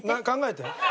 考えてね。